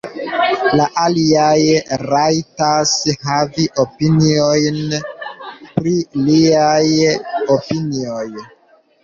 La aliaj rajtas havi opiniojn pri liaj opinioj.